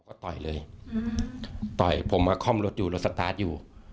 ต่อก็ต่อยเลยต่อยผมดูคอร์มรถบังอยู่